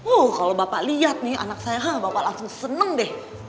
oh kalau bapak lihat nih anak saya bapak langsung seneng deh